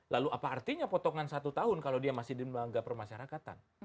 lalu apa artinya potongan satu tahun kalau dia masih di lembaga permasyarakatan